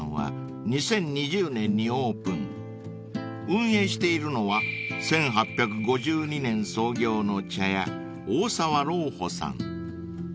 ［運営しているのは１８５２年創業の茶屋大佐和老舗さん］